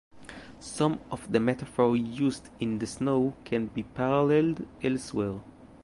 Some of the metaphors used in "The Snow" can be paralleled elsewhere.